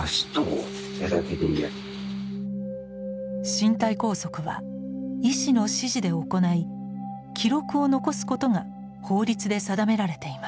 身体拘束は医師の指示で行い記録を残すことが法律で定められています。